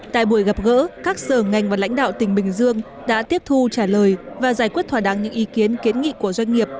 tại buổi gặp gỡ các sở ngành và lãnh đạo tỉnh bình dương đã tiếp thu trả lời và giải quyết thỏa đáng những ý kiến kiến nghị của doanh nghiệp